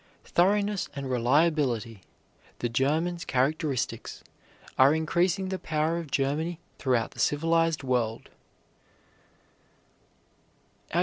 Thoroughness and reliability, the German's characteristics, are increasing the power of Germany throughout the civilized world.